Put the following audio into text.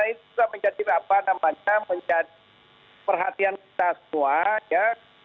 itu juga menjadi apa namanya menjadi perhatian kita semua ya